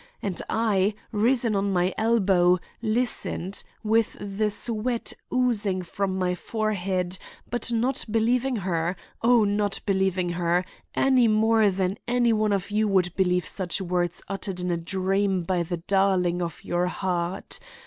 And I, risen on my elbow, listened, with the sweat oozing from my forehead, but not believing her, oh, not believing her, any more than any one of you would believe such words uttered in a dream by the darling of your heart.